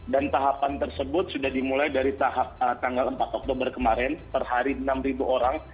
dan tahapan tersebut sudah dimulai dari tanggal empat oktober kemarin per hari enam orang